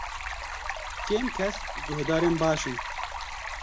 Kêm kes guhdarên baş in.